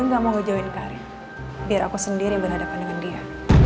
oke dia gak mau ngejauhin karin biar aku sendiri yang berhadapan dengan dia